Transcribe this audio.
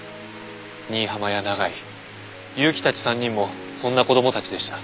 新浜や永井結城たち３人もそんな子供たちでした。